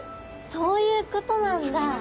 そういうことなんだ。